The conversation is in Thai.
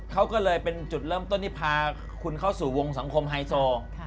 เขาก็เลยเป็นจุดเริ่มต้นที่พาคุณเข้าสู่วงสังคมไฮโซ